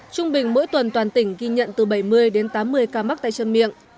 trung bình mỗi tuần toàn tỉnh ghi nhận từ bảy mươi đến tám mươi ca mắc tay chân miệng